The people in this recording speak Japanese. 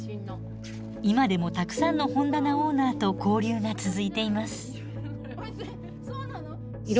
今でもたくさんの本棚オーナーと交流が続いています。